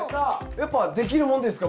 やっぱできるもんですか？